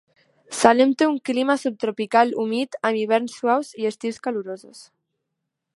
Salem té un clima subtropical humit amb hiverns suaus i estius calorosos.